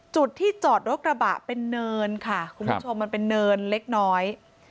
จุดที่จอดรถกระบะเป็นเนินค่ะคุณผู้ชมมันเป็นเนินเล็กน้อย